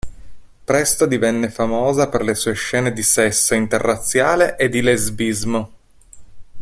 Presto divenne famosa per le sue scene di sesso interrazziale e di lesbismo.